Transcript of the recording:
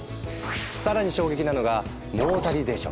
更に衝撃なのがモータリゼーション。